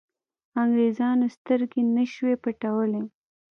انګرېزانو سترګې نه شوای پټولای.